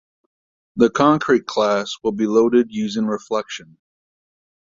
The concrete class will be loaded using reflection.